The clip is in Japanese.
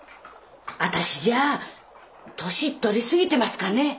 私じゃ年取り過ぎてますかね？